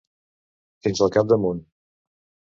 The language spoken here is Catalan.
Fins al capdamunt.